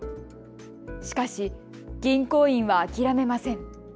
しかし銀行員は諦めません。